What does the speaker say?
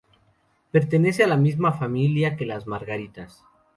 Pertenece a la misma familia que las margaritas.